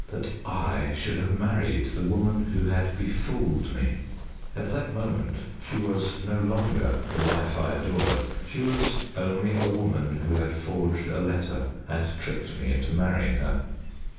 That I should have married the woman who had befooled me! At that moment she was no longer the wife I adored she was only a woman who had forged a letter and tricked me into marrying her.